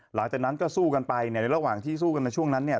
หลังจากนั้นก็สู้กันไปในระหว่างที่สู้กันในช่วงนั้นเนี่ย